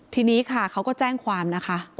ทีนี้ค่ะเขาก็แจ้งความนะคะ